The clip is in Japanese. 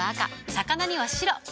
魚には白。